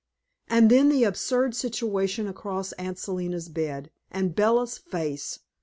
And then the absurd situation across Aunt Selina's bed, and Bella's face!